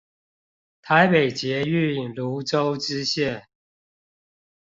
臺北捷運蘆洲支線